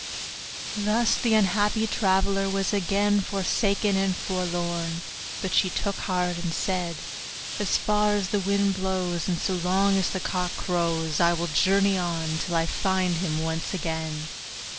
Thus the unhappy traveller was again forsaken and forlorn; but she took heart and said, 'As far as the wind blows, and so long as the cock crows, I will journey on, till I find him once again.